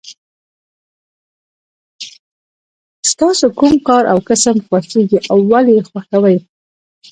ستاسو کوم کار او کسب خوښیږي او ولې یې خوښوئ.